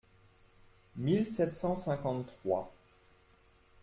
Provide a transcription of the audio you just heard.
mille sept cent cinquante-trois).